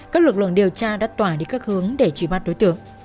các lực lượng điều tra đã tỏa đi các hướng để truy bắt đối tượng